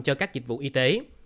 cho các dịch vụ y tế